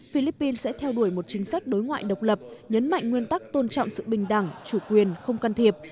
philippines sẽ theo đuổi một chính sách đối ngoại độc lập nhấn mạnh nguyên tắc tôn trọng sự bình đẳng chủ quyền không can thiệp